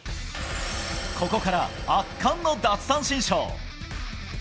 ここから圧巻の奪三振ショー。